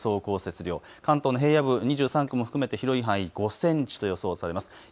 降雪量、関東の平野部、２３区も含めて広い範囲５センチと予想されます。